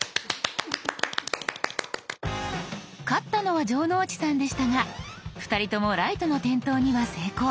勝ったのは城之内さんでしたが２人ともライトの点灯には成功。